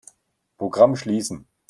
Programm schließen.